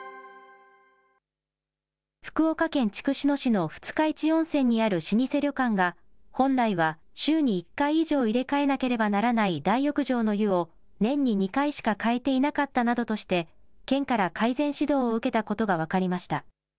福岡県筑紫野市の二日市温泉にある老舗旅館が、本来は週に１回以上入れ替えなければならない大浴場の湯を、年に２回しか換えていなかったなどとして、県から改善指導を受けたことが分かりました。